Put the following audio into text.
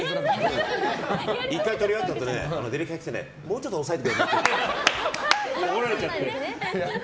１回とり終わったあとディレクターが来てもうちょっと抑えてくれって怒られちゃって。